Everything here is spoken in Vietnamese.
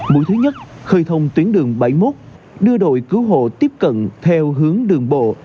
mũi thứ nhất khơi thông tuyến đường bảy mươi một đưa đội cứu hộ tiếp cận theo hướng đường bộ